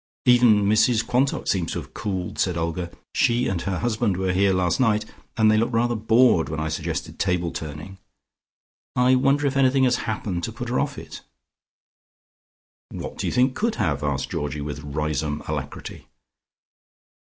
"Even Mrs Quantock seems to have cooled," said Olga. "She and her husband were here last night, and they looked rather bored when I suggested table turning. I wonder if anything has happened to put her off it?" "What do you think could have?" asked Georgie with Riseholme alacrity.